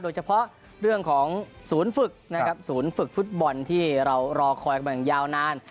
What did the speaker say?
โดยเฉพาะเรื่องของฝุ่นฝึกฟุตบอลที่เรารอคอยมาอย่างยาวนาน